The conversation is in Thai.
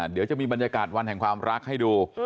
เดี๋ยวจะมีบรรยากาศวันแห่งความรักให้ดู